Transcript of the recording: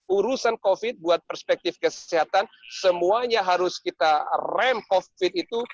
urusan covid buat perspektif kesehatan semuanya harus kita rem covid itu